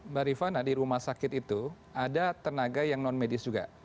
mbak rifana di rumah sakit itu ada tenaga yang non medis juga